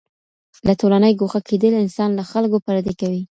له ټولني ګوښه کېدل انسان له خلګو پردی کوي.